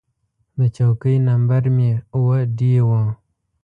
د چوکۍ نمبر مې اووه ډي و.